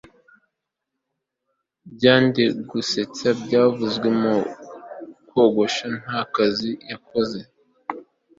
byendagusetsa byavuzwe mu kogosha. nta kazi yakoze